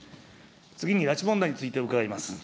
次に拉致問題について伺います。